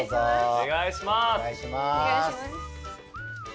おねがいします。